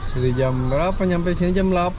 dari jam berapa sampai sini jam delapan